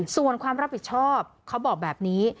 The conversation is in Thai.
ส่วนความรับผิดชอบเขาบอกแบบนี้